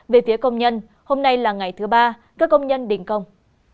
về phía công nhân hôm nay là ngày thứ ba các công nhân đình công